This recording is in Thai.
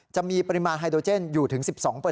จะมีปริมาณไฮโดเจนอยู่ถึง๑๒